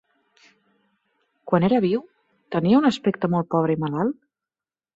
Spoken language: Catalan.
Quan era viu, tenia un aspecte molt pobre i malalt?